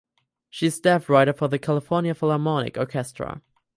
She is staff writer for the California Philharmonic Orchestra.